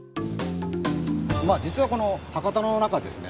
実はこの博多の中ですね